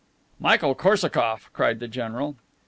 "Michael Korsakoff!" cried the general.